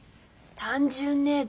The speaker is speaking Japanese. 単純ねえ。